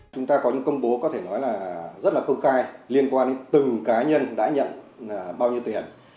chúng ta có những công bố có thể nói là rất là công khai liên quan đến từng cá nhân đã nhận bao nhiêu tiền